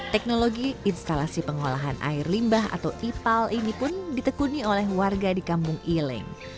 teknologi instalasi pengolahan air limbah atau ipal ini pun ditekuni oleh warga di kampung ileng